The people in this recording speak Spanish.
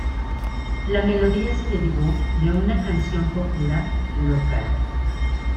La melodía se derivó de una canción popular local.